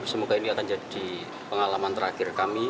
semoga ini akan jadi pengalaman terakhir kami